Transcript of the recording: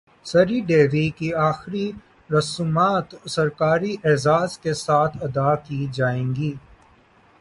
سری دیوی کی اخری رسومات سرکاری اعزاز کے ساتھ ادا کی جائیں گی